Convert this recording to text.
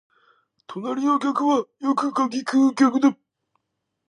隣の客はよく柿喰う客だ